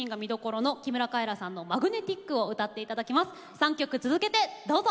３曲続けてどうぞ。